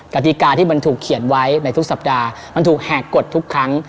กติกาที่มันถูกเขียนไว้ในทุกสัปดาห์มันถูกแหกกฎทุกครั้ง